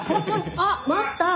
あっマスター。